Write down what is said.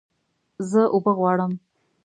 زه اوبه غواړم